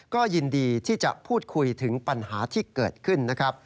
ก็ยินดีที่จะพูดคุยถึงปัญหาที่เกิดขึ้นนะครับ